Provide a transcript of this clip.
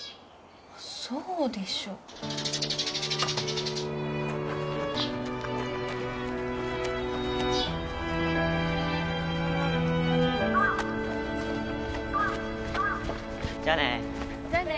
そうでしょじゃあねじゃあね